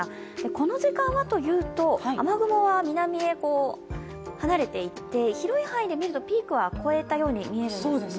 この時間はというと雨雲は南へ離れていって広い範囲で見ると、ピークはこえたように見えるんですね。